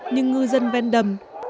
nhưng ngư dân ven đầm